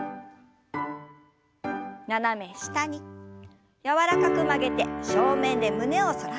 斜め下に柔らかく曲げて正面で胸を反らせます。